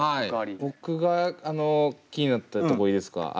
僕が気になったとこいいですか？